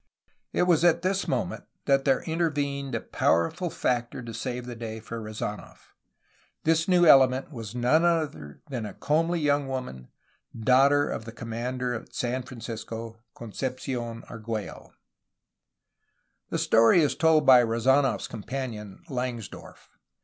It was at this moment that there intervened a powerful factor to save the day for Rezanof. This new element was none other than a comely young woman, daughter of the commander at San Francisco — Concepci6n Argiiello. The story is told by Rezanof^s companion, Langsdorff.